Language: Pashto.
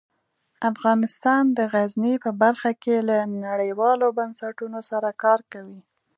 افغانستان د غزني په برخه کې له نړیوالو بنسټونو سره کار کوي.